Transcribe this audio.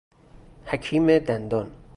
حکیم دندان